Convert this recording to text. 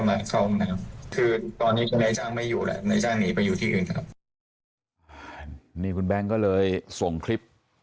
เมื่อกี้นะครับ